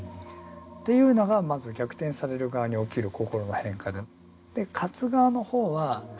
っていうのがまず逆転される側に起きる心の変化で。